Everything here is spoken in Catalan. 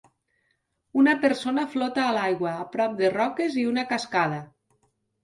Una persona flota a l'aigua a prop de roques i una cascada